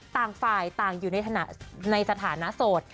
ต่างฝ่ายต่างอยู่ในสถานะโสด